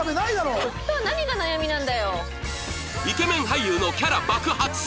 イケメン俳優のキャラ爆発！